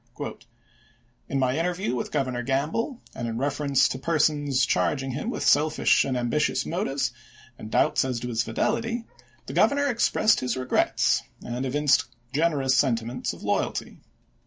In my interview with Governor Gamble, and in refer ence to persons charging him with selfish and ambitious motives, and doubts as to his fidelity, the Governor ex pressed his regrets, and evinced generous sentiments of loyalty.